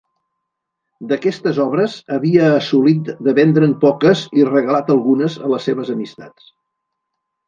D'aquestes obres, havia assolit de vendre'n poques i regalat algunes a les seves amistats.